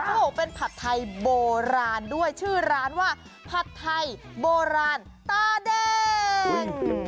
โอ้โหเป็นผัดไทยโบราณด้วยชื่อร้านว่าผัดไทยโบราณตาแดง